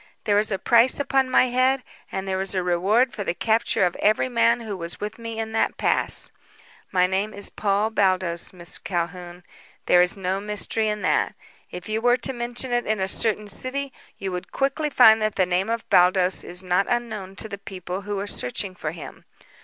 There is a price upon my head, and there is a reward for the capture of every man who was with me in the pass. My name is Paul Baldos, Miss Calhoun. There is no mystery in that. If you were to mention it in a certain city, you would quickly find that the name of Baldos is not unknown to the people who are searching for him.